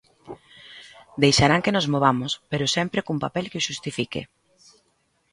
Deixarán que nos movamos, pero sempre cun papel que o xustifique.